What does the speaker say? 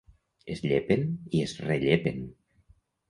Es llepen i es rellepen.